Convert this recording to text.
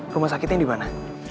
rumah sakitnya dimana